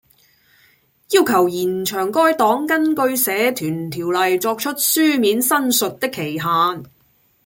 要求延長該黨根據《社團條例》作出書面申述的期限